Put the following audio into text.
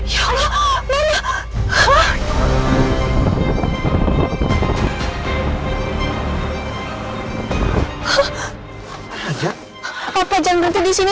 ya allah mana